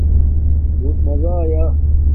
بُݹت ماذا آیݴ